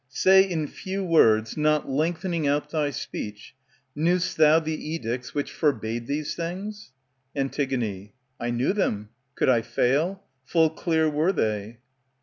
Say in few words, not lengthening out thy speech, Knew'st thou the edicts which forbade these things ? Antig. I knew them. Could I fail ? Full clear were they.